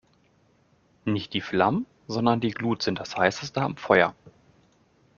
Nicht die Flammen, sondern die Glut sind das Heißeste am Feuer.